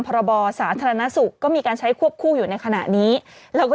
พรบสาธารณสุขก็มีการใช้ควบคู่อยู่ในขณะนี้แล้วก็